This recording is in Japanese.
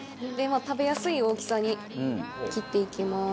食べやすい大きさに切っていきます。